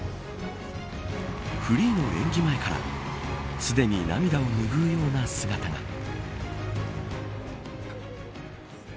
フリーの演技前からすでに涙を拭うような姿が。